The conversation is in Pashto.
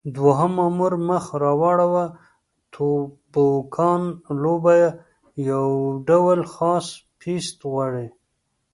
دوهم مامور مخ را واړاوه: توبوګان لوبه یو ډول خاص پېست غواړي.